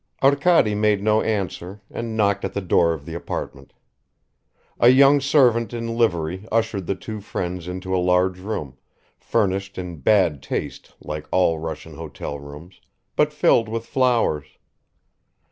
Arkady made no answer, and knocked at the door of the apartment. A young servant in livery ushered the two friends into a large room, furnished in bad taste like all Russian hotel rooms, but filled with flowers.